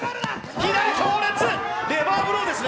左、強烈、レバーブローですね。